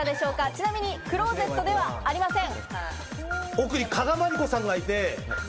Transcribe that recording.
ちなみにクローゼットではありません。